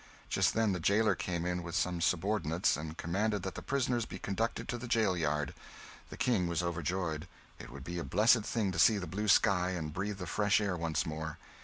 Just then the jailer came in with some subordinates, and commanded that the prisoners be conducted to the jail yard. The King was overjoyed it would be a blessed thing to see the blue sky and breathe the fresh air once more.